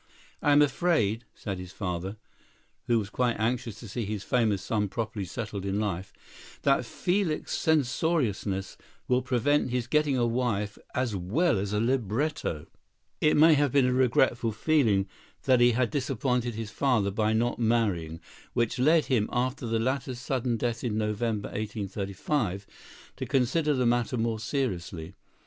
"I am afraid," said his father, who was quite anxious to see his famous son properly settled in life, "that Felix's censoriousness will prevent his getting a wife as well as a libretto." [Illustration: Felix Mendelssohn Bartholdy.] It may have been a regretful feeling that he had disappointed his father by not marrying which led him, after the latter's sudden death in November, 1835, to consider the matter more seriously.